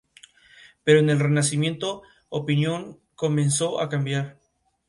Pero en el Renacimiento la opinión comenzó a cambiar.